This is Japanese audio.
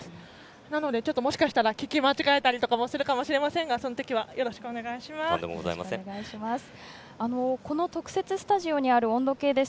なので、もしかしたら聞き間違えたりとかもするかもしれませんがそのときはよろしくお願いします。